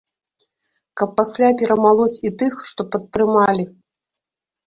Каб пасля перамалоць і тых, што падтрымалі.